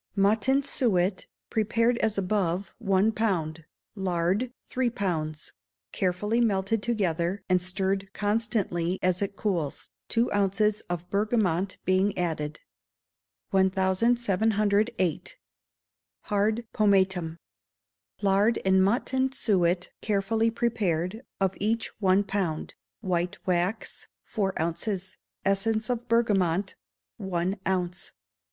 Mutton suet, prepared as above, one pound; lard, three pounds; carefully melted together, and stirred constantly as it cools, two ounces of bergamot being added. 1708. Hard Pomatum. Lard and mutton suet carefully prepared, of each one pound; white wax, four ounces; essence of bergamot, one ounce.